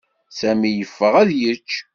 Sami yeffeɣ ad yečč.